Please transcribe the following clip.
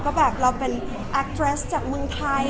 ก็แบบเราเป็นแอคเกรสจากเมืองไทย